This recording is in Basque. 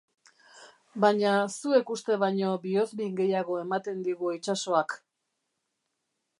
Baina zuek uste baino bihozmin gehiago ematen digu itsasoak.